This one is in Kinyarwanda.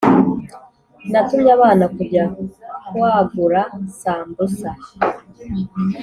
Natumye abana kujya kuagura sambusa